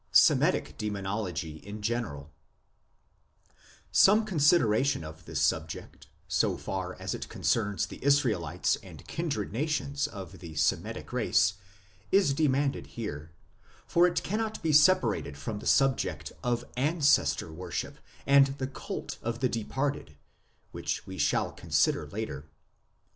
SEMITIC DEMONOLOGY IN GENEEAL SOME consideration of this subject, so far as it concerns the Israelites and kindred nations of the Semitic race, is de manded here, for it cannot be separated from the subject of Ancestor worship and the cult of the Departed, which we shall consider later.